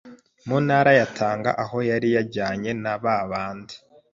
mu ntara ya Tanga aho yari yajyanye na nabandi